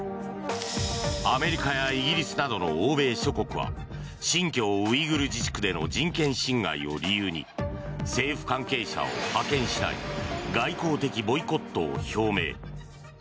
アメリカやイギリスなどの欧米諸国は新疆ウイグル自治区での人権侵害を理由に政府関係者を派遣しない外交的ボイコットを表明。